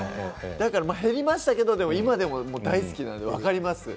減りましたけど今でも大好きなので分かります。